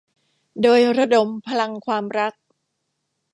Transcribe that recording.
โดยระดมพลังความรัก